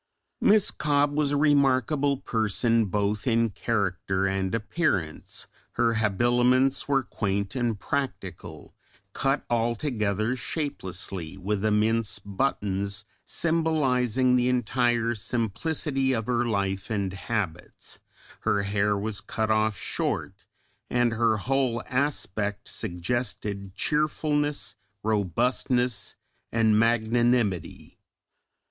Miss Cobbe was a remarkable person both in character and appearance, her habiliments were quaint and practical, cut altogether shapelessly with immense buttons symbolising the entire simplicity of her life and habits, her hair was cut off short, and her whole aspect suggested cheerfulness, robustness, and magnanimity.